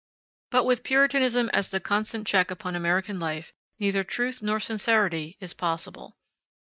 But with Puritanism as the constant check upon American life, neither truth nor sincerity is possible.